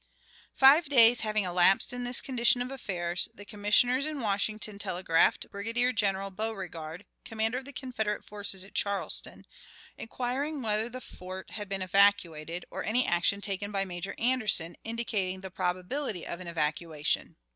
Five days having elapsed in this condition of affairs, the Commissioners in Washington telegraphed Brigadier General Beauregard, commander of the Confederate forces at Charleston, inquiring whether the fort had been evacuated, or any action taken by Major Anderson indicating the probability of an evacuation.